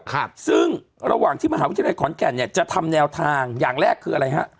ครับซึ่งระหว่างที่มหาวิทยาลัยขอนแก่นเนี่ยจะทำแนวทางอย่างแรกคืออะไรฮะ